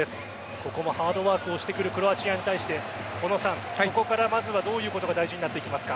ここもハードワークをしてくるクロアチアに対してここからまずはどういうことが大事になってきますか？